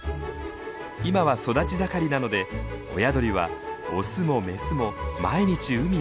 今は育ち盛りなので親鳥はオスもメスも毎日海へ出ます。